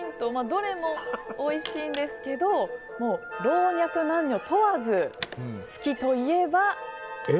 どれもおいしいんですけど老若男女問わず好きといえば。